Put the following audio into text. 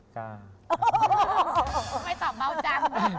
ทำไมตอบเมาจัง